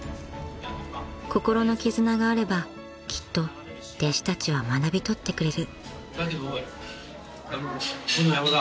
［心の絆があればきっと弟子たちは学び取ってくれる］